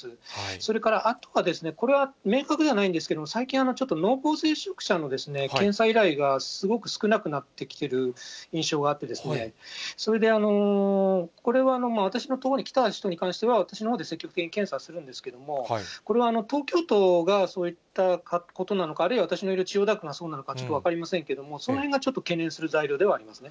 それからあとは、これは明確ではないんですけれども、最近、ちょっと濃厚接触者の検査依頼がすごく少なくなってきている印象があって、それでこれは私の所に来た人に関しては、私のほうで積極的に検査するんですけれども、これは東京都がそういったことなのか、あるいは私のいる千代田区がそうなのか、ちょっと分かりませんけども、そのへんがちょっと懸念する材料ではありますね。